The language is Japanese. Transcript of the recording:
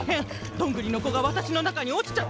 どんぐりのこがわたしのなかにおちちゃったわ。